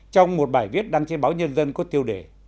trong một bài viết đăng trên báo nhân dân có tiêu đề